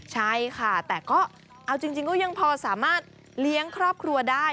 ใช่ค่ะแต่ก็เอาจริงก็ยังพอสามารถเลี้ยงครอบครัวได้